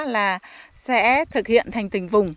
là sẽ thực hiện thành tình vùng